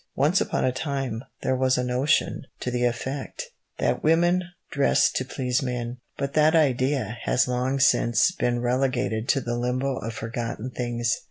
Once upon a time there was a notion to the effect that women dressed to please men, but that idea has long since been relegated to the limbo of forgotten things.